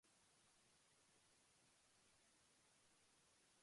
We have a strong bond and enjoy spending time together.